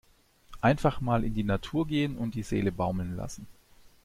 Einfach mal in die Natur gehen und die Seele baumeln lassen!